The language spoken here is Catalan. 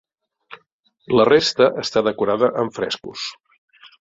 La resta està decorada amb frescos.